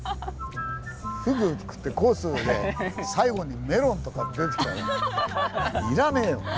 フグ食ってコースで最後にメロンとか出てきたら要らねえよ！